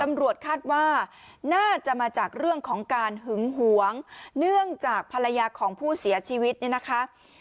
ตำรวจคาดว่าน่าจะมาจากเรื่องของการหึงหวงเนื่องจากภรรยาของผู้เสียชีวิตเนี่ยนะคะ